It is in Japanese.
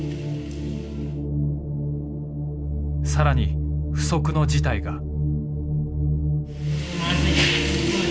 更に不測の事態が。